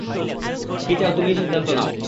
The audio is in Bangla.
কী চাও তুমিই সিদ্ধান্ত নাও!